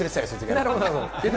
なるほど。